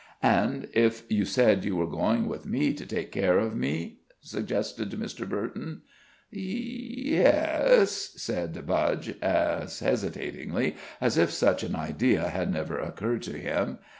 "And if you said you were going with me to take care of me?" suggested Mr. Burton. "Y e es," said Budge, as hesitatingly as if such an idea had never occurred to him.